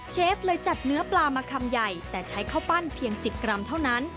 เชฟเลยจัดเนื้อปลามาคำใหญ่แต่ใช้ข้าวปั้นเพียง๑๐กรัมเท่านั้น